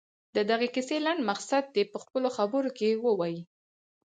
د دغې کیسې لنډ مقصد دې په خپلو خبرو کې ووايي.